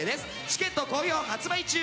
チケット好評発売中。